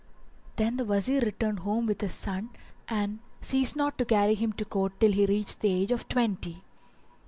Then the Wazir returned home with his son and ceased not to carry him to court till he reached the age of twenty.